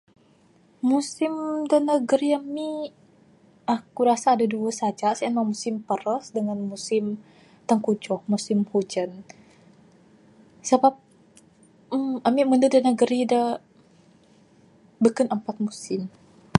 Musim da negeri ami aku rasa adeh duweh saja sien mah musim paras dangan musim tengkujuh musim hujan sabab [em] ami mende da negeri da beken empat musim.